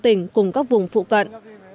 trong tỉnh cùng các vùng phụ tận